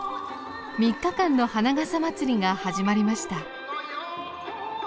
３日間の花笠まつりが始まりました。